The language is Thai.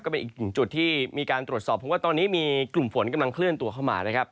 เป็นอีกหนึ่งจุดที่มีการตรวจสอบเพราะว่าตอนนี้มีกลุ่มฝนกำลังเคลื่อนตัวเข้ามานะครับ